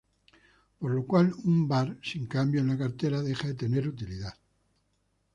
Por lo cual un VaR sin cambios en la cartera deja de tener utilidad.